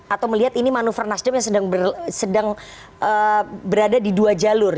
atau melihat ini manuver nasdem yang sedang berada di dua jalur